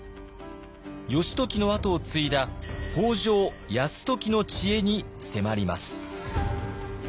義時の跡を継いだ北条泰時の知恵に迫ります。